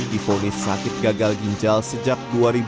diponis sakit gagal ginjal sejak dua ribu delapan belas